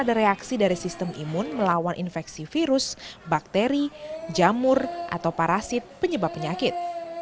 dan ada reaksi dari sistem imun melawan infeksi virus bakteri jamur atau parasit penyebab penyakit